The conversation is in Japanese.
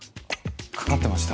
かかってました。